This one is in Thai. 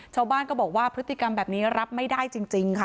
ชาวบ้านก็บอกว่าพฤติกรรมแบบนี้รับไม่ได้จริงค่ะ